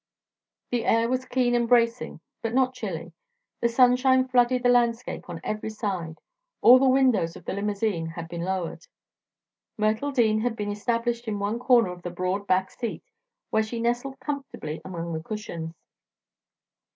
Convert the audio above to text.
The air was keen and bracing, but not chilly. The sunshine flooded the landscape on every side. All the windows of the limousine had been lowered. Myrtle Dean had been established in one corner of the broad back seat, where she nestled comfortably among the cushions.